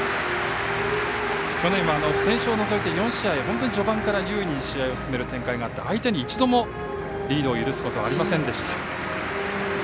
去年は不戦勝を除いて４試合、序盤から優位に試合を進める展開があって相手に一度もリードを許すことがありませんでした。